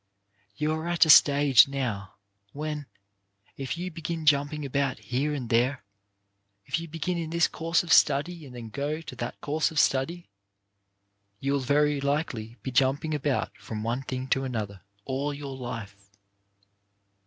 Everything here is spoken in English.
CULTIVATION OF STABLE HABITS 189 You are at a stage now, when, if you begin jumping about here and there, if you begin in this course of study and then go to that course of study, you will very likely be jumping about from one thing to another all your life.